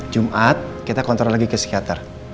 jumat kita kontrol lagi ke psikiater